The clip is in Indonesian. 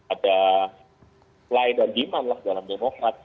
ada layar gimana dalam demokrat